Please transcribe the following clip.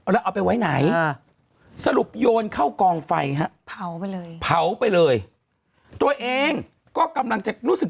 แล้วเอาไปไว้ไหนสรุปโยนเข้ากองไฟฮะเผาไปเลยเผาไปเลยตัวเองก็กำลังจะรู้สึก